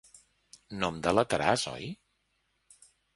No em delataràs, oi?